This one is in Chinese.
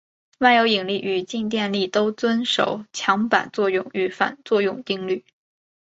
万有引力与静电力都遵守强版作用与反作用定律。